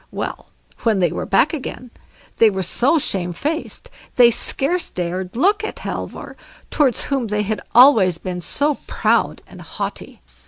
Well, when they were got back again, they were so shamefaced they scarce dared look at Halvor, towards whom they had always been proud and haughty.